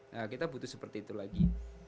nah kita butuh seperti itu lagi